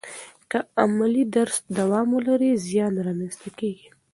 که عملي درس دوام ولري، زیان را منځ ته کیږي.